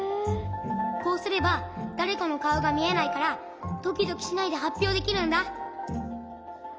こうすればだれかのかおがみえないからドキドキしないではっぴょうできるんだ。